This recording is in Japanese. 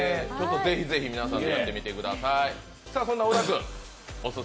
ぜひぜひ皆さんでやってみてください。